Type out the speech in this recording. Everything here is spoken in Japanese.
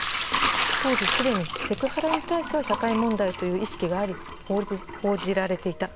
当時すでにセクハラに対しては社会問題という意識はあり報じられていた。